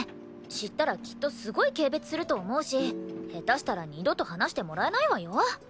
知ったらきっとすごい軽蔑すると思うし下手したら二度と話してもらえないわよ。